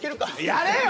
やれよ！